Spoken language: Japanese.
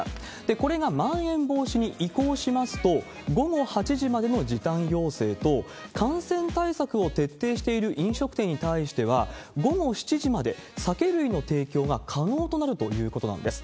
これがまん延防止に移行しますと、午後８時までの時短要請と、感染対策を徹底している飲食店に対しては、午後７時まで酒類の提供が可能となるということなんです。